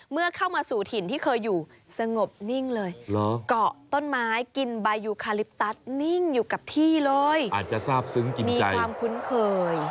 เมื่อเข้ามาสู่ถิ่นที่เคยอยู่สงบนิ่งเลยเกาะต้นไม้กินบายูคาลิปตัสนิ่งอยู่กับที่เลยอาจจะทราบซึ้งจริงมีความคุ้นเคย